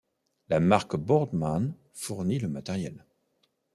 La marque Boardman fournit le matériel.